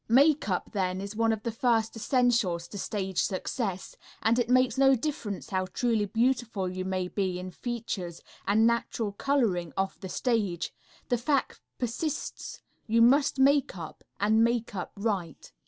Makeup, then, is one of the first essentials to stage success, and it makes no difference how truly beautiful you may be in features and natural coloring off the stage, the fact persists you must makeup, and makeup right.